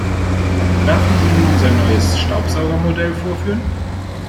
Darf ich Ihnen unser neues Staubsaugermodell vorführen?